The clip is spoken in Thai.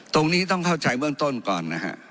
ตรงนี้ต้องเข้าใจเบื้องต้นก่อนนะฮะ